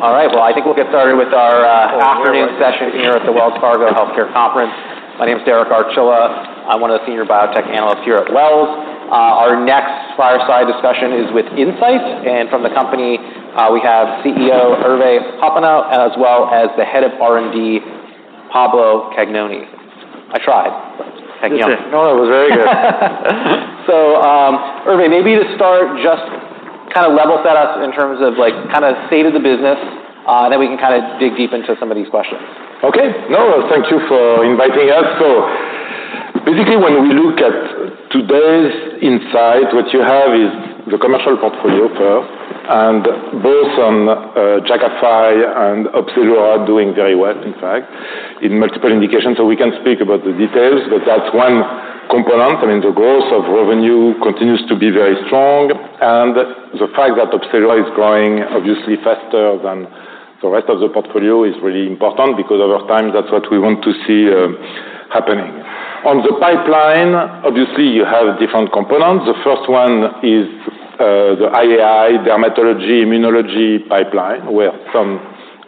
All right, well, I think we'll get started with our afternoon session here at the Wells Fargo Healthcare Conference. My name is Derek Archila. I'm one of the Senior Biotech Analysts here at Wells. Our next fireside discussion is with Incyte, and from the company, we have CEO Hervé Hoppenot, as well as the Head of R&D, Pablo Cagnoni. I tried. Cagnoni. No, it was very good. Hervé, maybe to start, just kind of level set us in terms of, like, kind of state of the business, then we can kind of dig deep into some of these questions. Okay. No, thank you for inviting us. So basically, when we look at today's Incyte, what you have is the commercial portfolio first, and both on Jakafi and Opzelura are doing very well, in fact, in multiple indications. So we can speak about the details, but that's one component. I mean, the growth of revenue continues to be very strong, and the fact that Opzelura is growing obviously faster than the rest of the portfolio is really important because over time, that's what we want to see happening. On the pipeline, obviously, you have different components. The first one is the IAI, dermatology, immunology pipeline, where some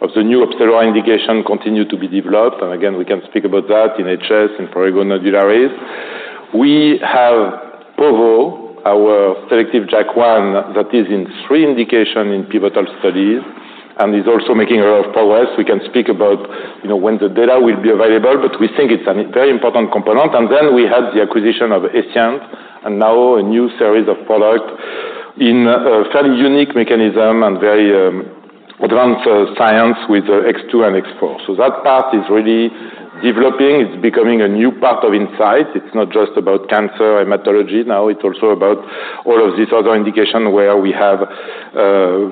of the new Opzelura indication continue to be developed. And again, we can speak about that in HS, in prurigo nodularis. We have povo, our selective JAK1, that is in three indication in pivotal studies and is also making a lot of progress. We can speak about, you know, when the data will be available, but we think it's a very important component. And then we have the acquisition of Escient, and now a new series of product in a fairly unique mechanism and very advanced science with X2 and X4. So that part is really developing. It's becoming a new part of Incyte. It's not just about cancer, hematology. Now, it's also about all of these other indications where we have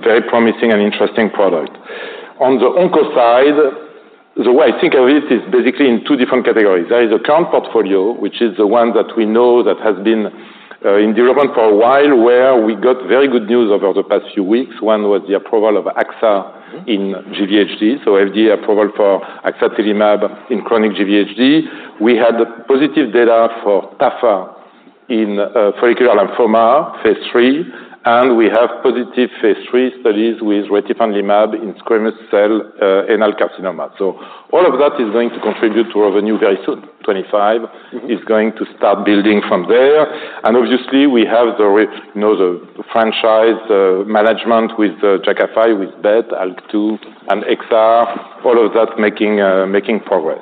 very promising and interesting product. On the onco side, the way I think of it is basically in two different categories. There is a current portfolio, which is the one that we know that has been in development for a while, where we got very good news over the past few weeks. One was the approval of AXA in GVHD, so FDA approval for axatilimab in chronic GVHD. We had positive data for Tafa in follicular lymphoma, phase III, and we have positive phase III studies with retifanlimab in squamous cell anal carcinoma. So all of that is going to contribute to revenue very soon. Twenty-five is going to start building from there. And obviously, we have the, you know, the franchise management with Jakafi, with BET, ALK2, and Axa, all of that making progress.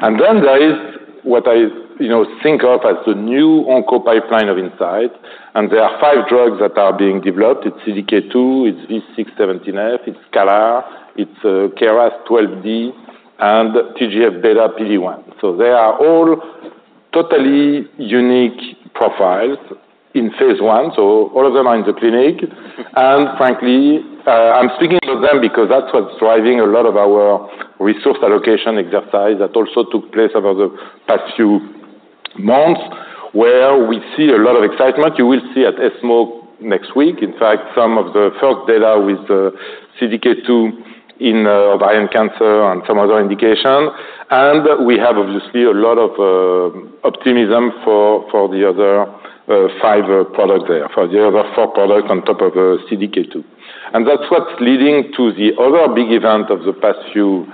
And then there is what I, you know, think of as the new onco pipeline of Incyte, and there are five drugs that are being developed. It's CDK2, it's V617F, it's CALR, it's KRAS 12D, and TGF-β PD-1. So they are all totally unique profiles in phase I, so all of them are in the clinic. And frankly, I'm speaking to them because that's what's driving a lot of our resource allocation exercise that also took place over the past few months, where we see a lot of excitement. You will see at ESMO next week, in fact, some of the first data with the CDK2 in ovarian cancer and some other indication. And we have, obviously, a lot of optimism for the other five products there, for the other four products on top of CDK2. And that's what's leading to the other big event of the past few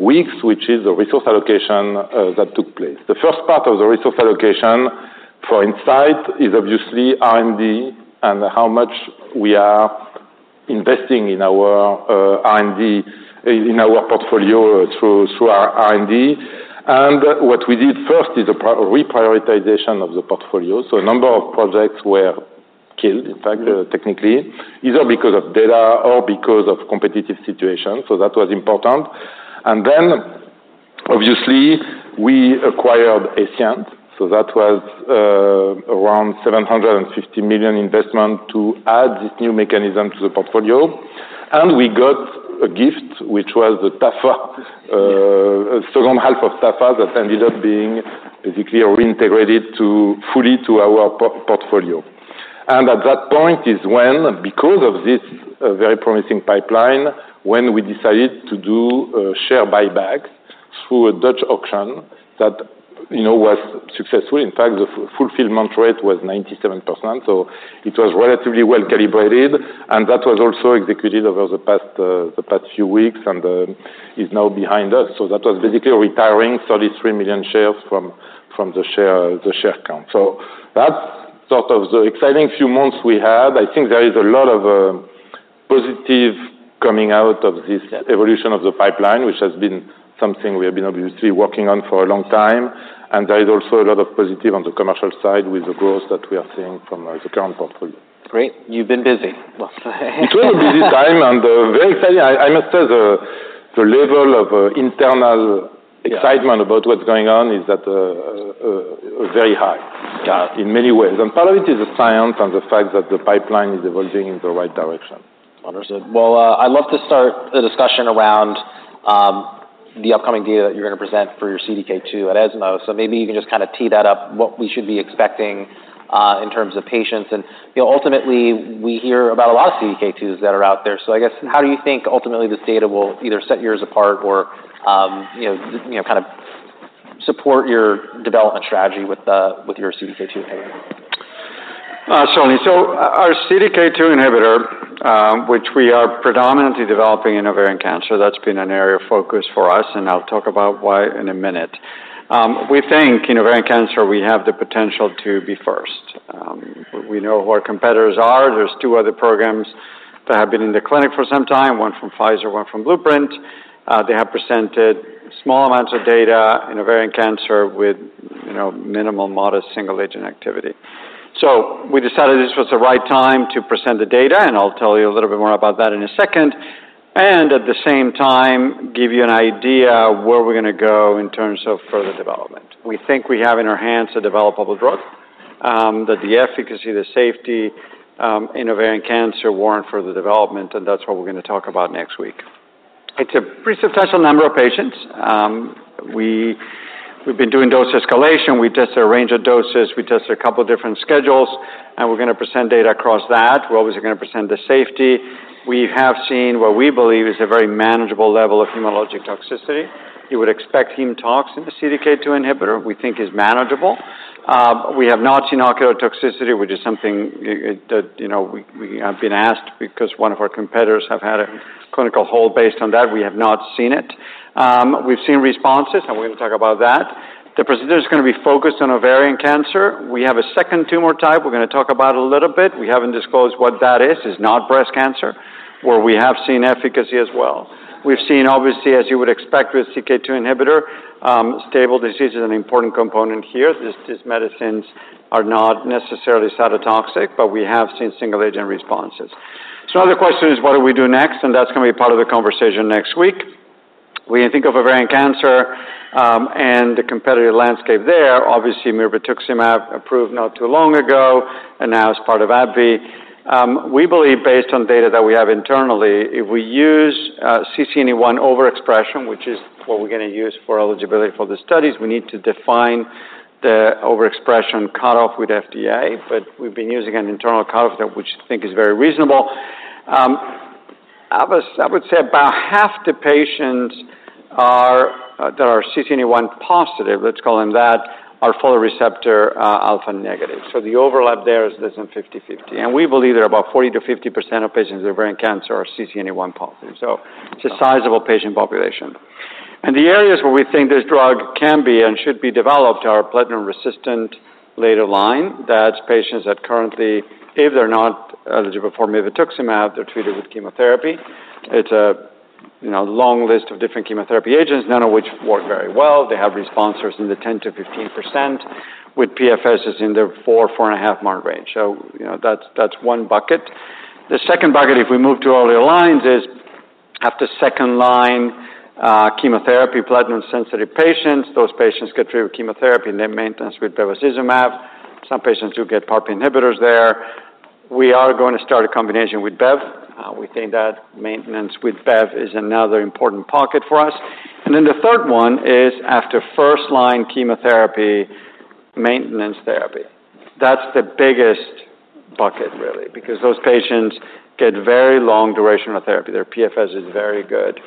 weeks, which is the resource allocation that took place. The first part of the resource allocation for Incyte is obviously R&D and how much we are investing in our R&D, in our portfolio through our R&D. And what we did first is a reprioritization of the portfolio. So a number of projects were killed, in fact, technically, either because of data or because of competitive situation. So that was important. And then, obviously, we acquired Escient, so that was around $750 million investment to add this new mechanism to the portfolio. And we got a gift, which was the Tafa, second half of Tafa, that ended up being basically reintegrated fully to our portfolio. And at that point is when, because of this very promising pipeline, when we decided to do a share buyback through a Dutch auction, that, you know, was successful. In fact, the fulfillment rate was 97%, so it was relatively well-calibrated, and that was also executed over the past few weeks and is now behind us. So that was basically retiring 33 million shares from the share count. So that's sort of the exciting few months we had. I think there is a lot of positive coming out of this evolution of the pipeline, which has been something we have been obviously working on for a long time. And there is also a lot of positive on the commercial side with the growth that we are seeing from the current portfolio. Great. You've been busy. It was a busy time and, very exciting. I must say, the level of internal- Yeah. - excitement about what's going on is that, very high- Yeah. In many ways. And part of it is the science and the fact that the pipeline is evolving in the right direction. Understood. I'd love to start the discussion around the upcoming data that you're going to present for your CDK2 at ESMO. Maybe you can just kind of tee that up, what we should be expecting in terms of patients. You know, ultimately, we hear about a lot of CDK2s that are out there. I guess, how do you think ultimately this data will either set yours apart or you know kind of support your development strategy with your CDK2 inhibitor? Certainly. So our CDK2 inhibitor, which we are predominantly developing in ovarian cancer, that's been an area of focus for us, and I'll talk about why in a minute. We think in ovarian cancer, we have the potential to be first. We know who our competitors are. There's two other programs that have been in the clinic for some time, one from Pfizer, one from Blueprint. They have presented small amounts of data in ovarian cancer with, you know, minimal modest single-agent activity. So we decided this was the right time to present the data, and I'll tell you a little bit more about that in a second, and at the same time, give you an idea of where we're going to go in terms of further development. We think we have in our hands a developable drug, that the efficacy, the safety, in ovarian cancer warrant further development, and that's what we're going to talk about next week. It's a pretty substantial number of patients. We've been doing dose escalation. We've tested a range of doses. We tested a couple different schedules, and we're going to present data across that. We're obviously going to present the safety. We have seen, what we believe is a very manageable level of hematologic toxicity. You would expect Hemtox in the CDK2 inhibitor, we think is manageable. We have not seen ocular toxicity, which is something that, you know, we, we have been asked because one of our competitors have had a clinical hold based on that. We have not seen it. We've seen responses, and we're going to talk about that. The presenter is going to be focused on ovarian cancer. We have a second tumor type we're going to talk about a little bit. We haven't disclosed what that is. It's not breast cancer, where we have seen efficacy as well. We've seen, obviously, as you would expect with CDK2 inhibitor, stable disease is an important component here. These medicines are not necessarily cytotoxic, but we have seen single-agent responses. So now the question is, what do we do next? And that's going to be part of the conversation next week. We think of ovarian cancer, and the competitive landscape there, obviously, nivolumab approved not too long ago, and now as part of AbbVie. We believe based on data that we have internally, if we use CCNE1 overexpression, which is what we're going to use for eligibility for the studies, we need to define the overexpression cutoff with FDA, but we've been using an internal cutoff that which I think is very reasonable. I would say about half the patients that are CCNE1 positive, let's call them that, are folate receptor alpha negative. So the overlap there isn't 50/50, and we believe that about 40%-50% of patients with ovarian cancer are CCNE1 positive, so it's a sizable patient population. And the areas where we think this drug can be and should be developed are platinum-resistant later line. That's patients that currently, if they're not eligible for nivolumab, they're treated with chemotherapy. It's a, you know, long list of different chemotherapy agents, none of which work very well. They have responses in the 10%-15% with PFSs in the four- to four-and-a-half-month range. So, you know, that's, that's one bucket. The second bucket, if we move to earlier lines, is after second line chemotherapy, platinum-sensitive patients, those patients get treated with chemotherapy, and then maintenance with bevacizumab. Some patients who get PARP inhibitors there. We are going to start a combination with Bev. We think that maintenance with Bev is another important bucket for us. Then the third one is, after first line chemotherapy, maintenance therapy. That's the biggest bucket, really, because those patients get very long durational therapy. Their PFS is very good,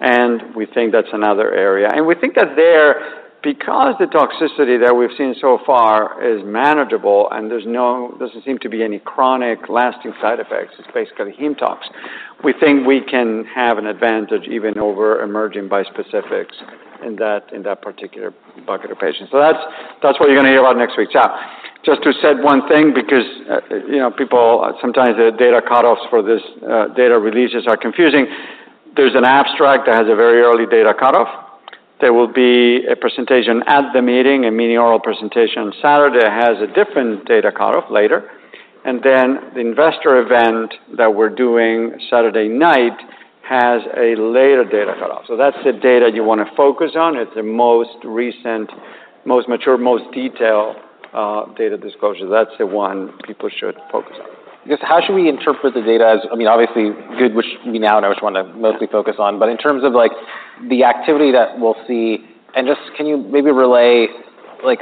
and we think that's another area. And we think that there, because the toxicity that we've seen so far is manageable and there's no-- there doesn't seem to be any chronic lasting side effects, it's basically Hemtox. We think we can have an advantage even over emerging bispecifics in that, in that particular bucket of patients. So that's, that's what you're going to hear about next week. Yeah. Just to say one thing, because, you know, people... Sometimes the data cutoffs for this, data releases are confusing. There's an abstract that has a very early data cutoff. There will be a presentation at the meeting, a mini-oral presentation on Saturday, that has a different data cutoff later, and then the investor event that we're doing Saturday night has a later data cutoff. So that's the data you want to focus on. It's the most recent, most mature, most detailed, data disclosure. That's the one people should focus on. Just how should we interpret the data? As, I mean, obviously good, which we know and I just want to mostly focus on, but in terms of, like, the activity that we'll see and just, can you maybe relay, like,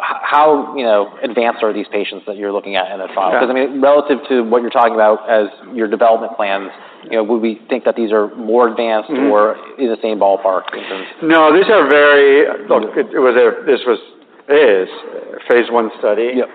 how, you know, advanced are these patients that you're looking at in the trial? Yeah. Because, I mean, relative to what you're talking about as your development plans, you know, would we think that these are more advanced? Mm-hmm. or in the same ballpark in terms? No, these are very... Look, it was a, this was, is a phase I study. Yep.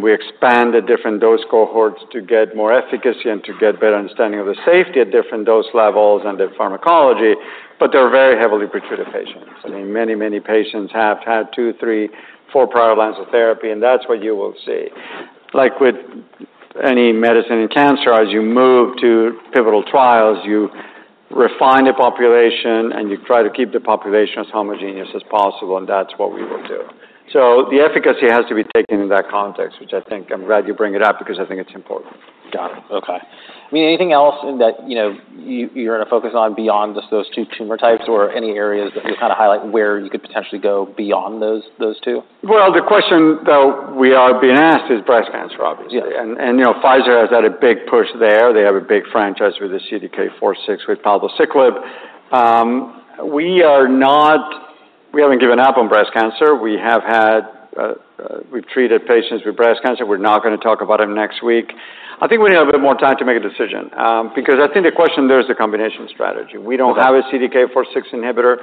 We expanded different dose cohorts to get more efficacy and to get better understanding of the safety at different dose levels and the pharmacology, but they're very heavily pre-treated patients. I mean, many, many patients have had two, three, four prior lines of therapy, and that's what you will see. Like with any medicine in cancer, as you move to pivotal trials, you refine the population, and you try to keep the population as homogeneous as possible, and that's what we will do. So the efficacy has to be taken in that context, which I think I'm glad you bring it up because I think it's important. Got it. Okay. I mean, anything else that, you know, you, you're going to focus on beyond just those two tumor types or any areas that you kind of highlight where you could potentially go beyond those, those two? The question that we are being asked is breast cancer, obviously. Yeah. You know, Pfizer has had a big push there. They have a big franchise with the CDK4/6 with palbociclib. We haven't given up on breast cancer. We've treated patients with breast cancer. We're not going to talk about them next week. I think we need a bit more time to make a decision, because I think the question there is the combination strategy. Okay. We don't have a CDK4/6 inhibitor.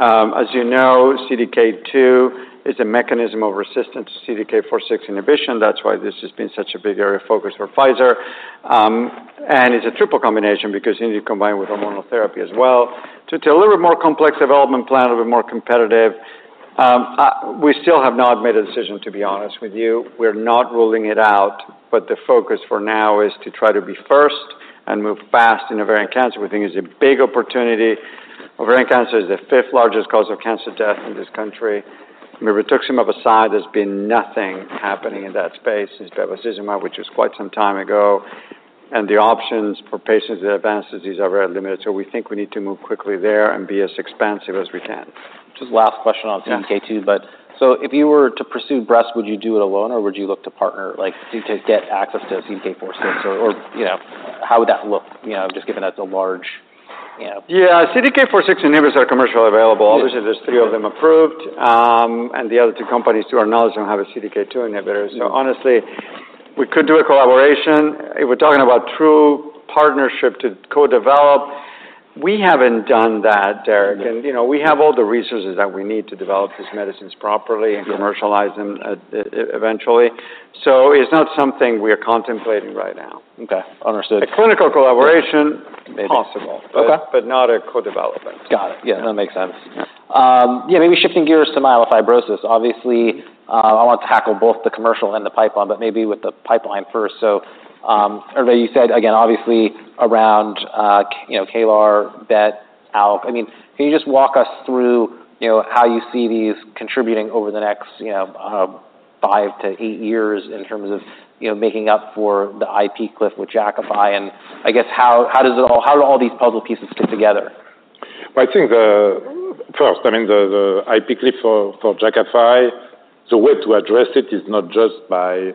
As you know, CDK2 is a mechanism of resistance to CDK4/6 inhibition. That's why this has been such a big area of focus for Pfizer. And it's a triple combination because you need to combine with hormonal therapy as well. It's a little bit more complex development plan, a little bit more competitive. We still have not made a decision, to be honest with you. We're not ruling it out, but the focus for now is to try to be first and move fast in ovarian cancer. We think it's a big opportunity. Ovarian cancer is the fifth largest cause of cancer death in this country. Mirvetuximab aside, there's been nothing happening in that space since bevacizumab, which was quite some time ago, and the options for patients with advanced disease are very limited. We think we need to move quickly there and be as expansive as we can. Just last question on CDK2, but so if you were to pursue breast, would you do it alone, or would you look to partner, like, to get access to CDK4/6? Or, you know, how would that look? You know, just given that's a large, you know- Yeah, CDK4/6 inhibitors are commercially available. Yes. Obviously, there's three of them approved, and the other two companies, to our knowledge, don't have a CDK2 inhibitor. Yeah. Honestly, we could do a collaboration. If we're talking about true partnership to co-develop, we haven't done that, Derek. Yeah. You know, we have all the resources that we need to develop these medicines properly. Sure... and commercialize them, eventually. So it's not something we are contemplating right now. Okay, understood. A clinical collaboration, possible. Okay. But not a co-development. Got it. Yeah, that makes sense. Yeah, maybe shifting gears to myelofibrosis. Obviously, I want to tackle both the commercial and the pipeline, but maybe with the pipeline first. So, Hervé, you said, again, obviously, around, you know, CALR, BET, ALK. I mean, can you just walk us through, you know, how you see these contributing over the next, you know, five to eight years in terms of, you know, making up for the IP cliff with Jakafi? And I guess, how do all these puzzle pieces fit together? I think first, I mean, the IP cliff for Jakafi, the way to address it is not just by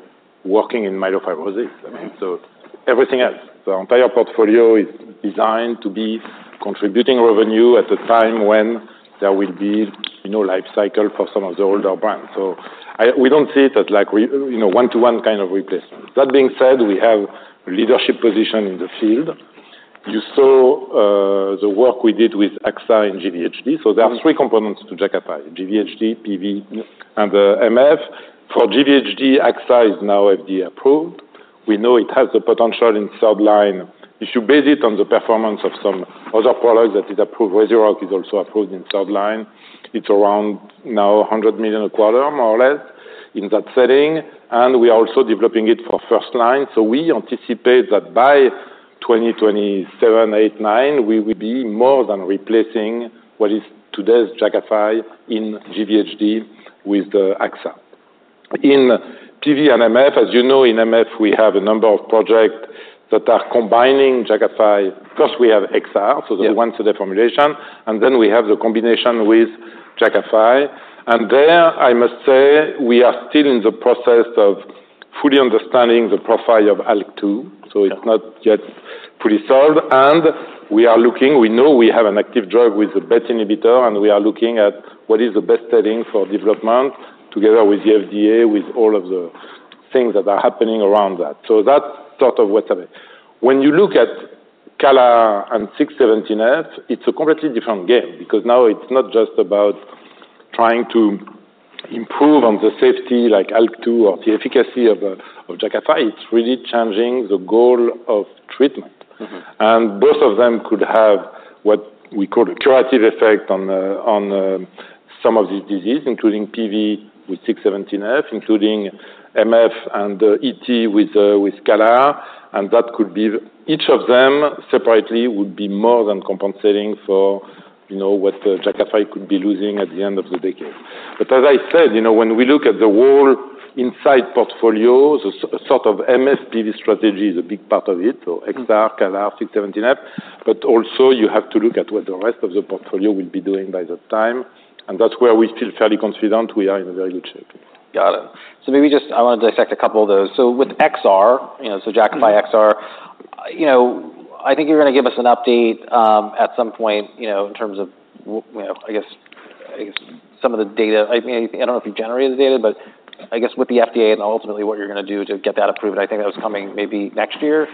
working in myelofibrosis. I mean, so everything else, the entire portfolio is designed to be contributing revenue at the time when there will be no life cycle for some of the older brands. So we don't see it as like we, you know, one-to-one kind of replacement. That being said, we have leadership position in the field. You saw the work we did with Axa and GVHD. Mm-hmm. There are three components to Jakafi: GVHD, PV- Yeah... and the MF. For GVHD, Axa is now FDA approved. We know it has the potential in third line. If you base it on the performance of some other products that is approved, Rezurock is also approved in third line. It's around now $100 million a quarter, more or less, in that setting, and we are also developing it for first line. So we anticipate that by 2027, 2028, 2029, we will be more than replacing what is today's Jakafi in GVHD with the Axa. In PV and MF, as you know, in MF, we have a number of projects that are combining Jakafi. First, we have XR- Yeah... so the once-a-day formulation, and then we have the combination with Jakafi. And there, I must say, we are still in the process of fully understanding the profile of ALK2. Yeah. It's not yet fully solved. We are looking, we know we have an active drug with a BET inhibitor, and we are looking at what is the best setting for development together with the FDA, with all of the things that are happening around that. That's sort of what's happening. When you look at CALR and JAK2 V617F, it's a completely different game because now it's not just about trying to improve on the safety, like ALK2 or the efficacy of Jakafi, it's really changing the goal of treatment. Mm-hmm. Both of them could have what we call a curative effect on some of these diseases, including PV with 617F, including MF and ET with CALR, and that could be... Each of them separately would be more than compensating for, you know, what Jakafi could be losing at the end of the decade. As I said, you know, when we look at the whole Incyte portfolio, so sort of MPN strategy is a big part of it. Mm-hmm. So CALR, JAK2 V617F, but also you have to look at what the rest of the portfolio will be doing by that time, and that's where we feel fairly confident we are in very good shape. Got it. So maybe just, I want to dissect a couple of those. So with XR, you know, so Jakafi XR, you know, I think you're gonna give us an update at some point, you know, in terms of you know, I guess some of the data. I don't know if you generated the data, but I guess with the FDA and ultimately what you're gonna do to get that approved, I think that was coming maybe next year.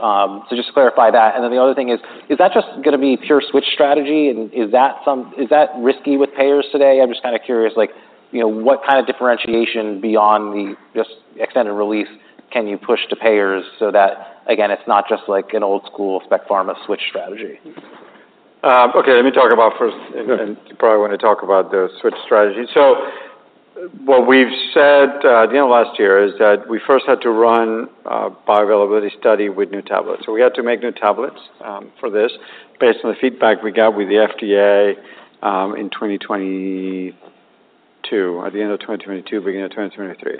So just clarify that. And then the other thing is, is that just gonna be pure switch strategy, and is that risky with payers today? I'm just kind of curious, like, you know, what kind of differentiation beyond the just extended release can you push to payers so that, again, it's not just like an old school spec pharma switch strategy? Okay, let me talk about first. Mm-hmm... and you probably want to talk about the switch strategy. So what we've said at the end of last year is that we first had to run a bioavailability study with new tablets. So we had to make new tablets for this based on the feedback we got with the FDA in 2022, at the end of 2022, beginning of 2023.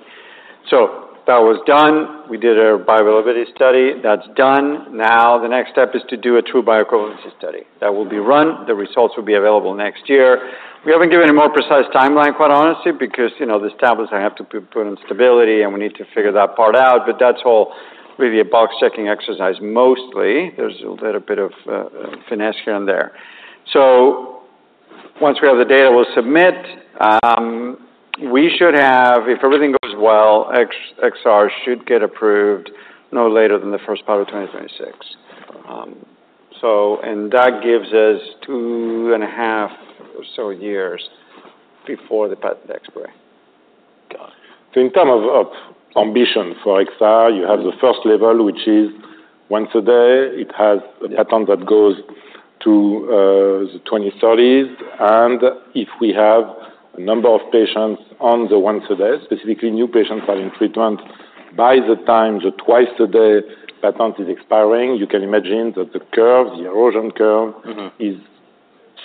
So that was done. We did a bioavailability study. That's done. Now, the next step is to do a true bioequivalence study. That will be run. The results will be available next year. We haven't given a more precise timeline, quite honestly, because, you know, these tablets, I have to put in stability, and we need to figure that part out, but that's all really a box-checking exercise mostly. There's a little bit of finesse here and there. Once we have the data, we'll submit. We should have, if everything goes well, Jakafi XR should get approved no later than the first part of 2026. And that gives us two and a half or so years before the patent expiry. Got it. So in terms of ambition for XR, you have the first level, which is once a day. It has a patent that goes to the 2030s, and if we have a number of patients on the once a day, specifically new patients starting treatment, by the time the twice-a-day patent is expiring, you can imagine that the curve, the erosion curve- Mm-hmm. -is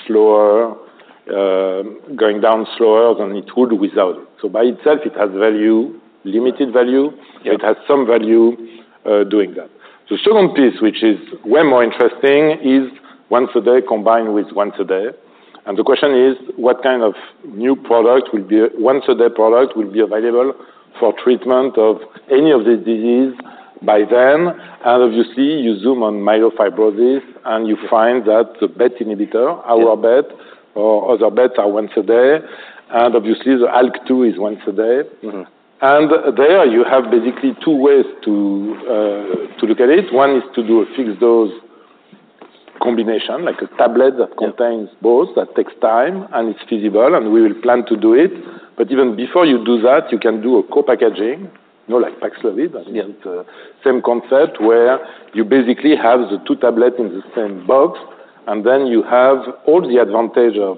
slower, going down slower than it would without it. So by itself, it has value, limited value. Yeah. It has some value, doing that. The second piece, which is way more interesting, is once a day, combined with once a day. And the question is, what kind of new product will be... Once a day product will be available for treatment of any of this disease by then? And obviously, you zoom on myelofibrosis, and you find that the BET inhibitor- Yeah. Our BET or other BET are once a day, and obviously, the ALK2 is once a day. Mm-hmm. There you have basically two ways to look at it. One is to do a fixed-dose combination, like a tablet that contains- Yeah Both. That takes time, and it's feasible, and we will plan to do it. But even before you do that, you can do a co-packaging, you know, like Paxlovid, but yet same concept, where you basically have the two tablet in the same box, and then you have all the advantage of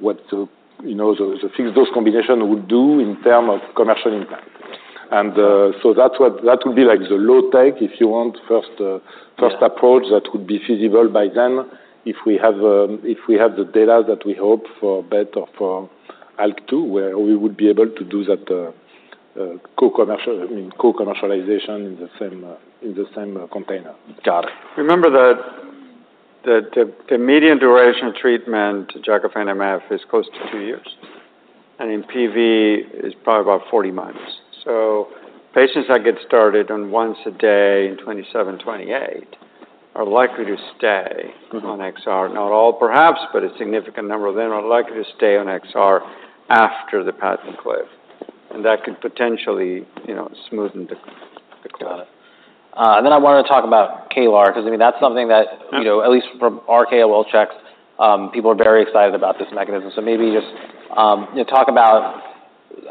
what the, you know, the fixed dose combination would do in terms of commercial impact. And so that's what that would be like the low tech, if you want, first. Yeah... first approach that would be feasible by then, if we have the data that we hope for BET or for ALK2, where we would be able to do that, co-commercial- I mean, co-commercialization in the same container. Got it. Remember that the median duration of treatment to Jakafi MF is close to two years, and in PV is probably about 40 months. So patients that get started on once a day in 2027, 2028 are likely to stay- Mm-hmm -on XR. Not all perhaps, but a significant number of them are likely to stay on XR after the patent cliff, and that could potentially, you know, smoothen the cliff. Got it, and then I wanna talk about CALR, 'cause I mean, that's something that- Mm... you know, at least from our KOL checks, people are very excited about this mechanism. So maybe just, you know, talk about...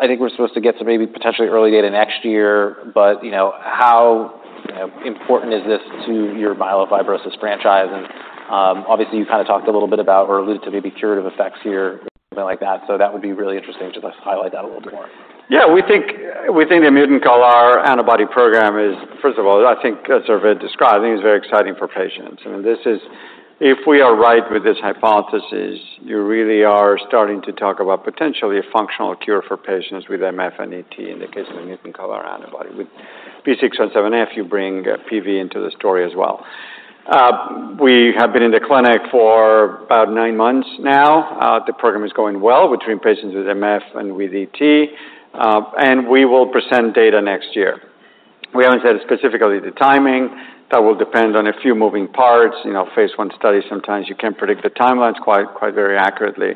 I think we're supposed to get to maybe potentially early data next year, but you know, how, you know, important is this to your myelofibrosis franchise? And, obviously, you kind of talked a little bit about or alluded to maybe curative effects here, something like that. So that would be really interesting. Just highlight that a little bit more. Yeah, we think the mutant CALR antibody program is, first of all, I think as Hervé described, I think it's very exciting for patients. I mean, this is... If we are right with this hypothesis, you really are starting to talk about potentially a functional cure for patients with MF and ET in the case of a mutant CALR antibody. With V617F, you bring PV into the story as well. We have been in the clinic for about nine months now. The program is going well between patients with MF and with ET, and we will present data next year. We haven't said specifically the timing. That will depend on a few moving parts. You know, phase I studies, sometimes you can't predict the timelines quite very accurately.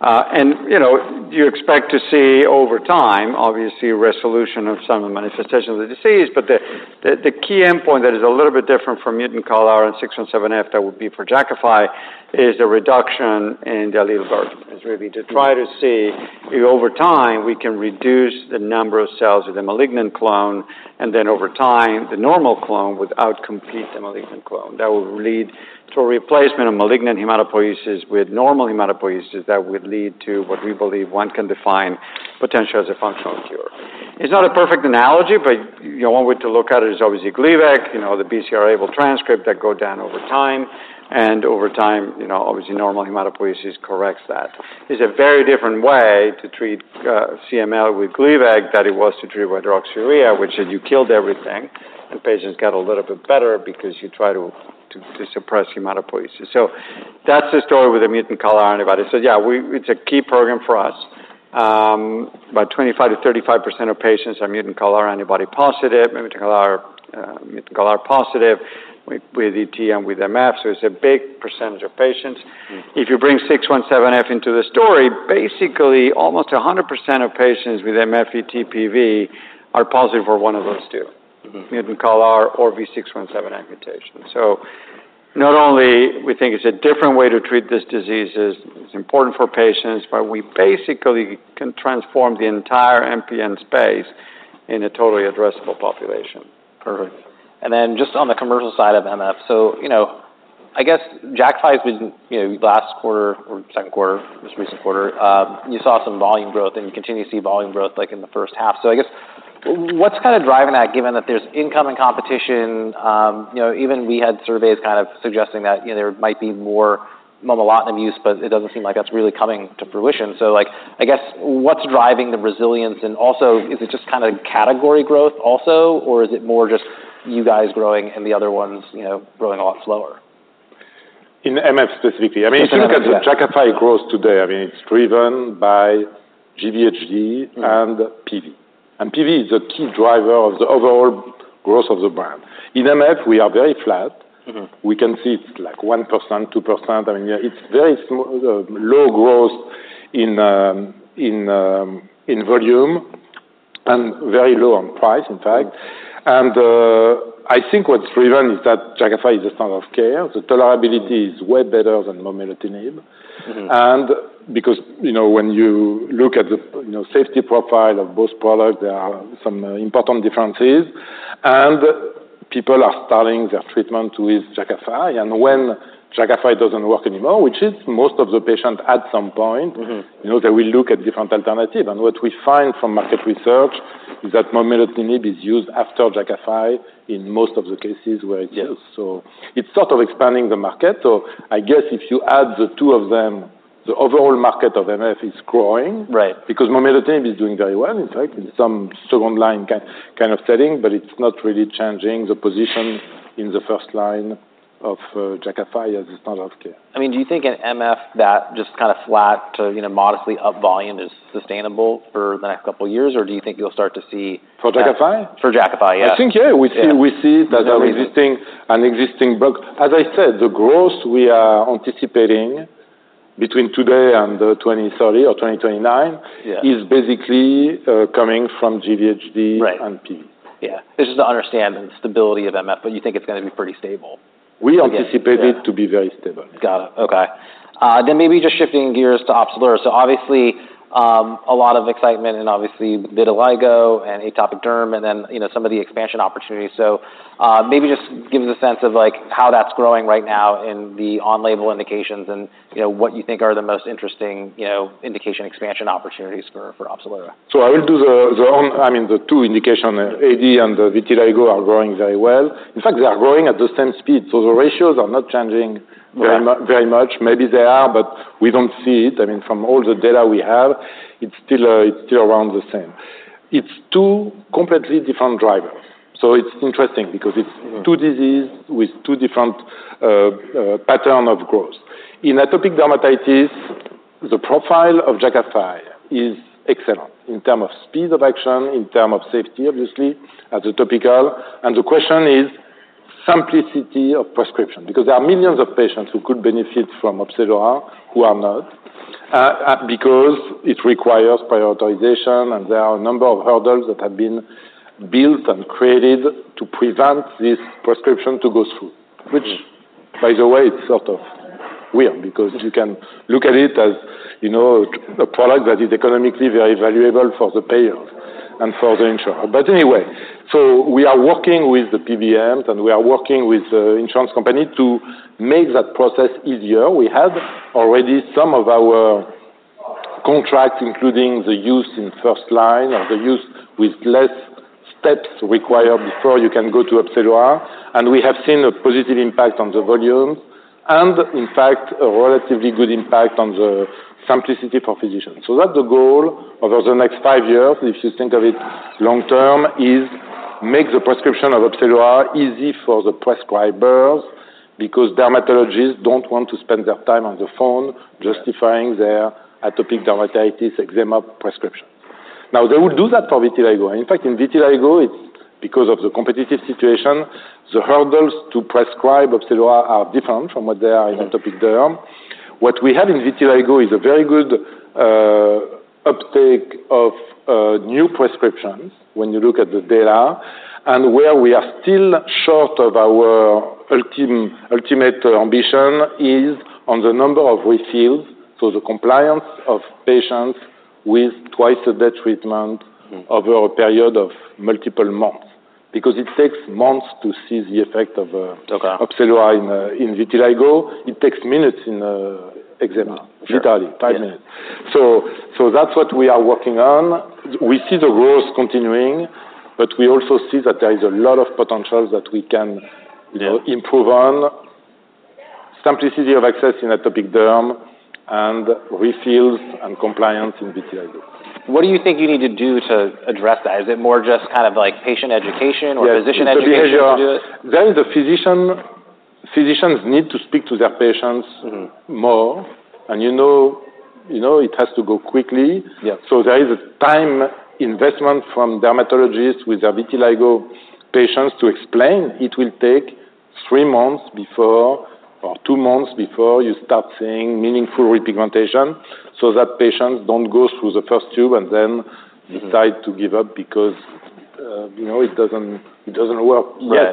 And, you know, you expect to see over time, obviously, resolution of some manifestations of the disease, but the key endpoint that is a little bit different from mutant CALR and 617F, that would be for Jakafi, is the reduction in the allele burden. It's really to try to see if over time, we can reduce the number of cells with a malignant clone, and then over time, the normal clone would out-compete the malignant clone. That would lead to a replacement of malignant hematopoiesis with normal hematopoiesis that would lead to what we believe one can define potentially as a functional cure. It's not a perfect analogy, but you know, one way to look at it is obviously Gleevec, you know, the BCR-ABL transcript that go down over time and over time, you know, obviously normal hematopoiesis corrects that. It's a very different way to treat CML with Gleevec than it was to treat with hydroxyurea, which is you killed everything, and patients get a little bit better because you try to suppress hematopoiesis. So that's the story with the mutant CALR. So yeah, it's a key program for us. About 25% to 35% of patients are mutant CALR positive with ET and MF, so it's a big percentage of patients. Mm. If you bring six seventeen F into the story, basically, almost 100% of patients with MF, ET, PV are positive for one of those two- Mm-hmm. -mutant CALR or V617F mutation. So not only we think it's a different way to treat these diseases, it's important for patients, but we basically can transform the entire MPN space in a totally addressable population. Perfect. And then just on the commercial side of MF, so, you know, I guess Jakafi was, you know, last quarter or second quarter, this recent quarter, you saw some volume growth and continue to see volume growth like in the first half. So I guess, what's kind of driving that, given that there's incoming competition? You know, even we had surveys kind of suggesting that, you know, there might be more momelotinib use, but it doesn't seem like that's really coming to fruition. So like, I guess, what's driving the resilience? And also, is it just kind of category growth also, or is it more just you guys growing and the other ones, you know, growing a lot slower? In MF specifically- MF, yeah. I mean, if you look at the Jakafi growth today, I mean, it's driven by GVHD. Mm -and PV, and PV is a key driver of the overall growth of the brand. In MF, we are very flat. Mm-hmm. We can see it's like 1%, 2%. I mean, it's very small, low growth in volume and very low on price, in fact. I think what's driven is that Jakafi is the standard of care. The tolerability is way better than momelotinib. Mm-hmm. And because, you know, when you look at the, you know, safety profile of both products, there are some important differences, and people are starting their treatment with Jakafi. And when Jakafi doesn't work anymore, which is most of the patient at some point- Mm-hmm. You know, they will look at different alternatives. And what we find from market research is that momelotinib is used after Jakafi in most of the cases where it is. So it's sort of expanding the market. So I guess if you add the two of them, the overall market of MF is growing. Right. -because momelotinib is doing very well. In fact, in some second line kind of setting, but it's not really changing the position in the first line of Jakafi as a standard of care. I mean, do you think in MF that just kind of flat to, you know, modestly up volume is sustainable for the next couple of years, or do you think you'll start to see- For Jakafi? For Jakafi, yes. I think, yeah, we see- Yeah. We see that. No reason... an existing book. As I said, the growth we are anticipating between today and 2030 or 2029- Yeah is basically coming from GVHD. Right -and P. Yeah. Just to understand the stability of MF, but you think it's gonna be pretty stable? We anticipate it- Yeah... to be very stable. Got it. Okay, then maybe just shifting gears to Opzelura. So obviously, a lot of excitement and obviously vitiligo and atopic derm and then, you know, some of the expansion opportunities. So, maybe just give us a sense of like, how that's growing right now in the on-label indications and, you know, what you think are the most interesting, you know, indication expansion opportunities for Opzelura. So I will do. I mean, the two indication, AD and the vitiligo, are growing very well. In fact, they are growing at the same speed. So the ratios are not changing. Right... very much. Maybe they are, but we don't see it. I mean, from all the data we have, it's still, it's still around the same. It's two completely different drivers. So it's interesting because it's- Mm... two disease with two different pattern of growth. In atopic dermatitis, the profile of Jakafi is excellent in term of speed of action, in term of safety, obviously, as a topical, and the question is simplicity of prescription, because there are millions of patients who could benefit from Opzelura, who are not because it requires prioritization, and there are a number of hurdles that have been built and created to prevent this prescription to go through. Mm. Which, by the way, it's sort of weird, because you can look at it as, you know, a product that is economically very valuable for the payer and for the insurer. But anyway, so we are working with the PBMs, and we are working with the insurance company to make that process easier. We have already some of our contracts, including the use in first line or the use with less steps required before you can go to Opzelura, and we have seen a positive impact on the volume and in fact, a relatively good impact on the simplicity for physicians. So that's the goal over the next five years, if you think of it long term, is make the prescription of Opzelura easy for the prescribers, because dermatologists don't want to spend their time on the phone- Yeah Justifying their atopic dermatitis, eczema prescription. Now, they will do that for vitiligo. And in fact, in vitiligo, it's because of the competitive situation, the hurdles to prescribe Opzelura are different from what they are in atopic derm. What we have in vitiligo is a very good uptake of new prescriptions when you look at the data, and where we are still short of our ultimate ambition is on the number of refills. So the compliance of patients with twice a day treatment- Mm... over a period of multiple months, because it takes months to see the effect of, Okay... Opzelura in vitiligo. It takes minutes in eczema- Sure... literally five minutes. Yeah. So, so that's what we are working on. We see the growth continuing, but we also see that there is a lot of potential that we can, you know- Yeah... improve on simplicity of access in atopic derm and refills and compliance in vitiligo. What do you think you need to do to address that? Is it more just kind of like patient education or- Yeah, it's education.... physician education to do it? Physicians need to speak to their patients. Mm-hmm... more, and you know, you know it has to go quickly. Yeah. So there is a time investment from dermatologists with their vitiligo patients to explain it will take three months before, or two months before you start seeing meaningful repigmentation, so that patients don't go through the first tube and then- Mm-hmm... decide to give up because, you know, it doesn't, it doesn't work. Yeah.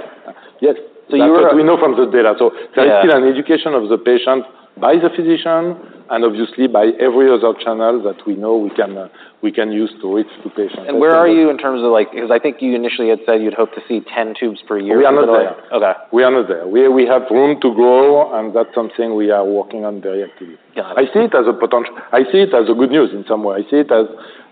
Yes. So you- Uh,... we know from the data. Yeah. So there is still an education of the patient by the physician and obviously by every other channel that we know we can use to reach to patients. Where are you in terms of like... Because I think you initially had said you'd hope to see 10 tubes per year. We are not there. Okay. We are not there. We have room to grow, and that's something we are working on very actively. Got it. I see it as a good news in some way. I see it as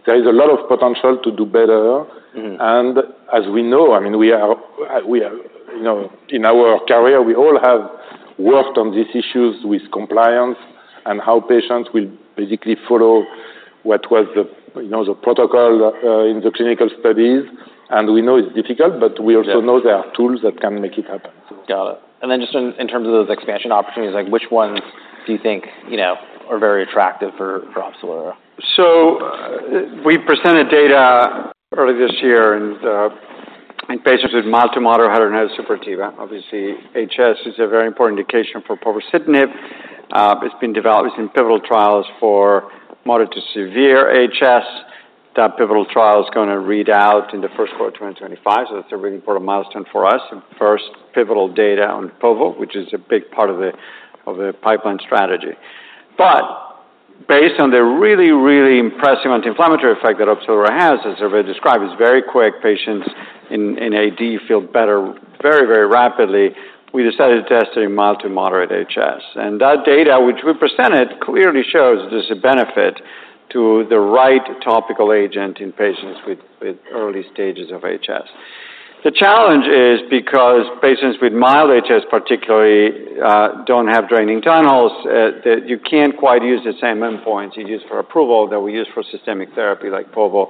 there is a lot of potential to do better. Mm-hmm. And as we know, I mean, we are, you know, in our career, we all have worked on these issues with compliance and how patients will basically follow what was the, you know, the protocol in the clinical studies. And we know it's difficult, but we also- Yeah... know there are tools that can make it happen, so. Got it. And then just in terms of those expansion opportunities, like which ones do you think, you know, are very attractive for Opzelura? We presented data early this year, and in patients with mild to moderate hidradenitis suppurativa, obviously HS is a very important indication for povorcitinib. It's been developed in pivotal trials for moderate to severe HS. That pivotal trial is gonna read out in the Q1 of 2025, so that's a really important milestone for us, and first pivotal data on povo, which is a big part of the pipeline strategy. But based on the really, really impressive anti-inflammatory effect that Opzelura has, as I've described, it's very quick. Patients in AD feel better very, very rapidly. We decided to test it in mild to moderate HS. And that data, which we presented, clearly shows there's a benefit to the right topical agent in patients with early stages of HS. The challenge is because patients with mild HS, particularly, don't have draining tunnels, that you can't quite use the same endpoints you use for approval, that we use for systemic therapy like povo,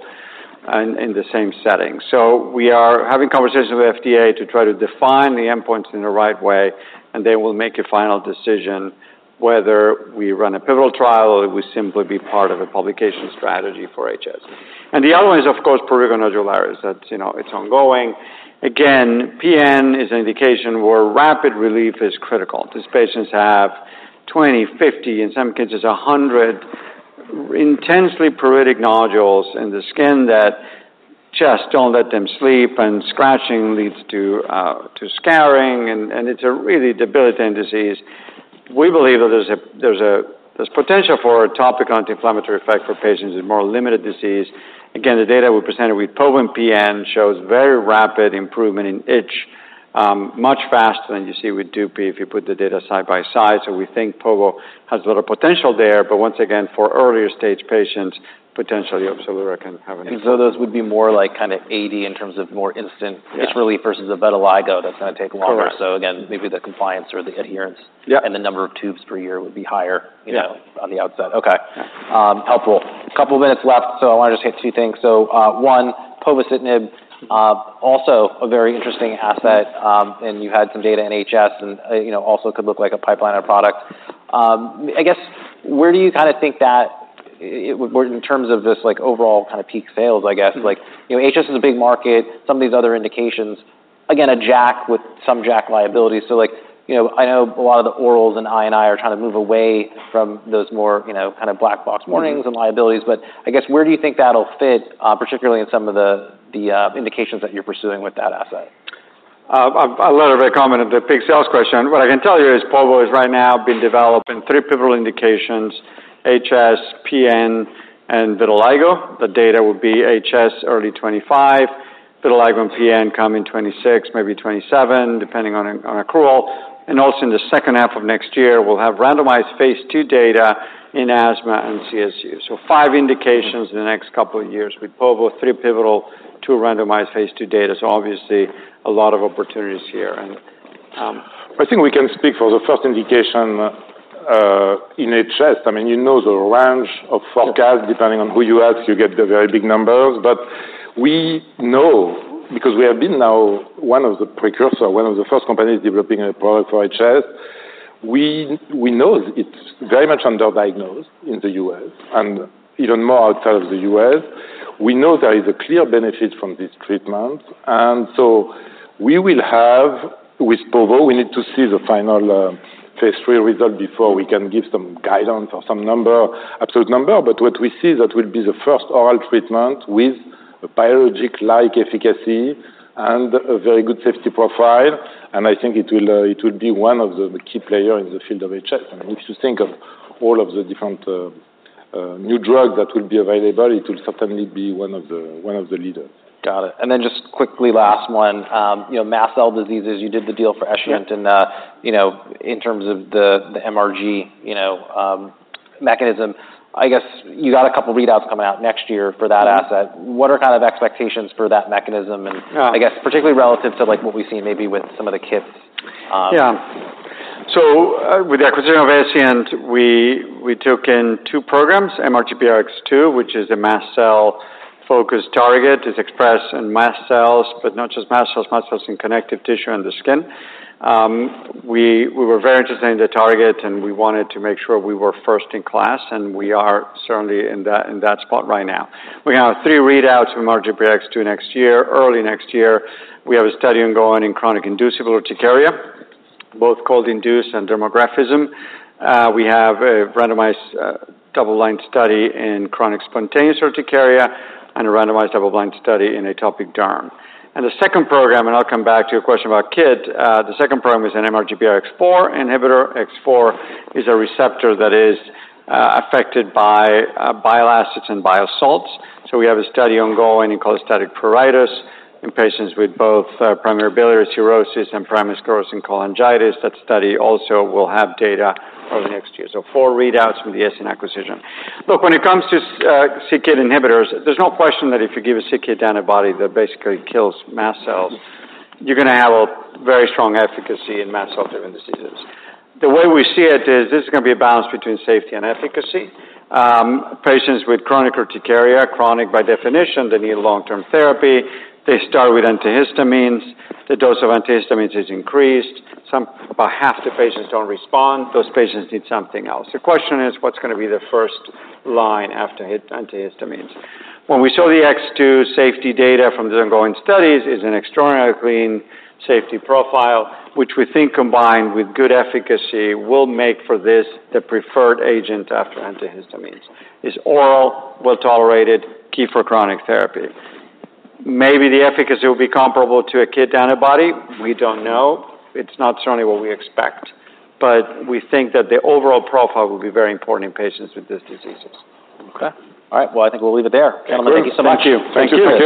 and in the same setting. So we are having conversations with FDA to try to define the endpoints in the right way, and they will make a final decision whether we run a pivotal trial, or it will simply be part of a publication strategy for HS. And the other one is, of course, prurigo nodularis. That's, you know, it's ongoing. Again, PN is an indication where rapid relief is critical. These patients have 20, 50, in some cases, 100 intensely pruritic nodules in the skin that just don't let them sleep, and scratching leads to scarring, and it's a really debilitating disease. We believe that there's potential for a topic on inflammatory effect for patients with more limited disease. Again, the data we presented with povo PN shows very rapid improvement in itch, much faster than you see with Dupi if you put the data side by side. So we think povo has a lot of potential there, but once again, for earlier stage patients, potentially, Opzelura can have an impact. And so those would be more like kinda AD in terms of more instant- Yeah Itch relief versus the vitiligo, that's gonna take longer. Correct. So again, maybe the compliance or the adherence- Yeah and the number of tubes per year would be higher- Yeah You know, on the outset. Okay. Helpful. A couple of minutes left, so I wanna just hit two things. So, one, povorcitinib, also a very interesting asset, and you had some data in HS, and, you know, also could look like a pipeline or product. I guess, where do you kinda think that in terms of this, like, overall kinda peak sales, I guess? Mm. Like, you know, HS is a big market. Some of these other indications, again, a JAK with some JAK liability. So like, you know, I know a lot of the orals and I&I are trying to move away from those more, you know, kinda black box warnings- Mm-hmm - and liabilities, but I guess, where do you think that'll fit, particularly in some of the indications that you're pursuing with that asset? I'll let her comment on the big sales question. What I can tell you is povo is right now being developed in three pivotal indications, HS, PN, and vitiligo. The data will be HS early 2025, vitiligo and PN coming 2026, maybe 2027, depending on accrual. And also in the second half of next year, we'll have randomized phase II data in asthma and CSU. So five indications in the next couple of years. With povo, three pivotal, two randomized phase II data. So obviously, a lot of opportunities here and. I think we can speak for the first indication in HS. I mean, you know, the range of forecast, depending on who you ask, you get the very big numbers. But we know, because we have been now one of the first companies developing a product for HS. We know it's very much underdiagnosed in the U.S. and even more outside of the U.S. We know there is a clear benefit from this treatment, and so we will have. With povo, we need to see the final phase III result before we can give some guidance or some number, absolute number. But what we see, that will be the first oral treatment with a biologic-like efficacy and a very good safety profile, and I think it will be one of the key player in the field of HS. I mean, if you think of all of the different new drugs that will be available, it will certainly be one of the leaders. Got it. And then just quickly, last one. You know, mast cell diseases, you did the deal for Escient- Yeah... and, you know, in terms of the, the MRG, you know, mechanism, I guess you got a couple of readouts coming out next year for that asset. Yeah. What are kind of expectations for that mechanism? And- Yeah... I guess, particularly relative to, like, what we've seen maybe with some of the kits. Yeah. So, with the acquisition of Escient, we took in two programs, MRGPRX2, which is a mast cell-focused target, is expressed in mast cells, but not just mast cells, mast cells in connective tissue in the skin. We were very interested in the target, and we wanted to make sure we were first in class, and we are certainly in that spot right now. We have three readouts from MRGPRX2 next year, early next year. We have a study ongoing in chronic inducible urticaria, both cold induced and dermographism. We have a randomized double-blind study in chronic spontaneous urticaria, and a randomized double-blind study in atopic derm. And the second program, and I'll come back to your question about kit. The second program is an MRGPRX4 inhibitor. X4 is a receptor that is affected by bile acids and bile salts. So we have a study ongoing in cholestatic pruritus, in patients with both primary biliary cirrhosis and primary sclerosing cholangitis. That study also will have data over the next year. So four readouts from the Escient acquisition. Look, when it comes to c-Kit inhibitors, there's no question that if you give a c-Kit antibody, that basically kills mast cells. Mm-hmm... you're gonna have a very strong efficacy in mast cell-driven diseases. The way we see it is, this is gonna be a balance between safety and efficacy. Patients with Chronic urticaria, chronic by definition, they need long-term therapy. They start with antihistamines. The dose of antihistamines is increased. About half the patients don't respond. Those patients need something else. The question is, what's gonna be the first line after antihistamines? When we saw the X2 safety data from the ongoing studies, it's an extraordinarily clean safety profile, which we think combined with good efficacy, will make for this the preferred agent after antihistamines. It's oral, well-tolerated, key for chronic therapy. Maybe the efficacy will be comparable to a kit antibody, we don't know. It's not certainly what we expect, but we think that the overall profile will be very important in patients with these diseases. Okay. All right, well, I think we'll leave it there. Great. Gentlemen, thank you so much. Thank you. Thank you. Thank you.